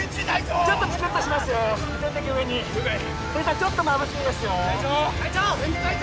ちょっとまぶしいですよ・隊長！